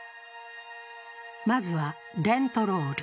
まずは、レントロール。